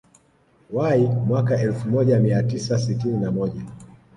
Y mwaka Elfu moja mia tisa sitini na moja